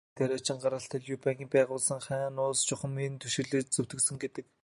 Жишээлбэл, энгийн тариачин гаралтай Лю Бангийн байгуулсан Хань улс чухам энд түшиглэж зөвтгөгдсөн гэдэг.